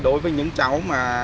đối với những cháu